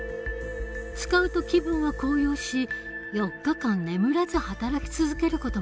使うと気分は高揚し４日間眠らず働き続ける事もできた。